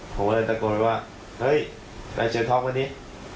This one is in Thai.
ผมก็เลยตะโกนว่าเอ้ยยได้เชียลทอล์คแล้วนี้